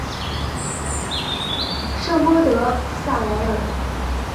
圣波德萨莱尔。